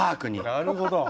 なるほど。